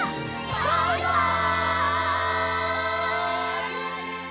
バイバイ！